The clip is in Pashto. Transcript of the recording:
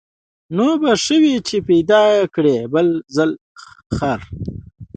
نو به ښه وي چي پیدا نه کړې بل ځل خر